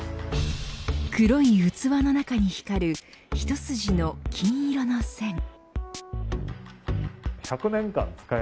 黒い器の中に光る一筋の金色の線。